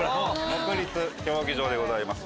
国立競技場でございます。